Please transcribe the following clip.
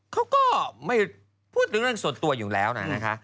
เขาก็ไม่พูดถึงเรื่องส่วนตัวอยู่แล้วนะคะ